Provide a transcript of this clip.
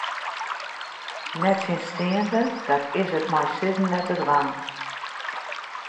Nettsjinsteande dat is it mei sizzen net te dwaan.